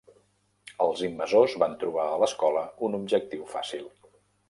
Els invasors van trobar a l'escola un objectiu fàcil.